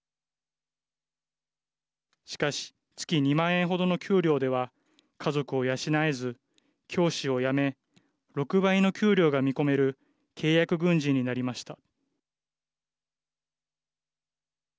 しかし、月２万円ほどの給料では家族を養えず教師を辞め６倍の給料が見込める契約軍人になりました。